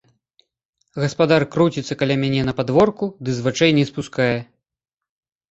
Гаспадар круціцца каля мяне на падворку ды з вачэй не спускае.